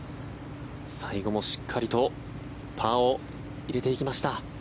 最後もしっかりとパーを入れていきました。